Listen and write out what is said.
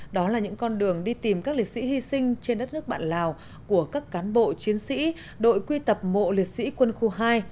đó là những con đường đi tìm các liệt sĩ hy sinh trên đất nước bạn lào của các cán bộ chiến sĩ đội quy tập mộ liệt sĩ quân khu hai